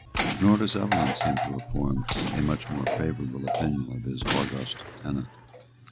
Nor does Evelyn seem to have formed a much more favourable opinion of his august tenant.